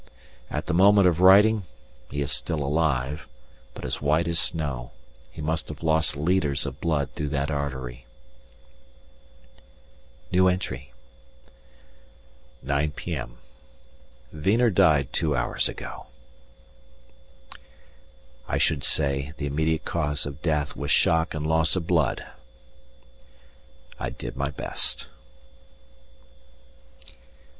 At the moment of writing he is still alive, but as white as snow; he must have lost litres of blood through that artery. 9 p.m. Wiener died two hours ago. I should say the immediate cause of death was shock and loss of blood. I did my best.